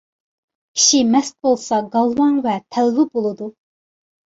كىشى مەست بولسا گالۋاڭ ۋە تەلۋە بولىدۇ.